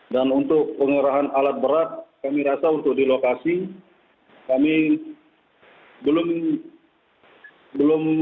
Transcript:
untuk pengerahan alat berat kami rasa untuk di lokasi kami belum